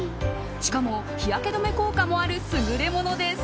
しかも、日焼け止め効果もある優れものです。